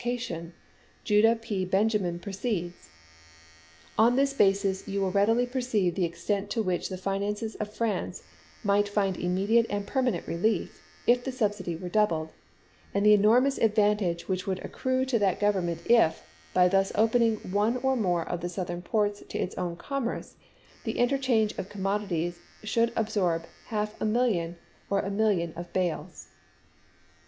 ication, Judah P. Benjamin proceeds: "On this basis you will readily perceive the extent to which the finances of France might find immediate and permanent relief, if the subsidy were doubled; and the enormous advantage which would accrue to that Government if, by thus opening one or more of the Southern ports to its own commerce, the inter change of commodities should absorb half a million or a million of bales."